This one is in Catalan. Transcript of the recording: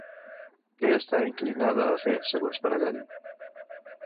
Què està inclinada a fer, segons Maragall?